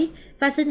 xin hẹn gặp lại